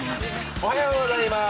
おはようございます。